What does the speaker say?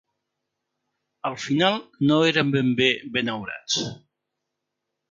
Al final no eren ben bé benaurats.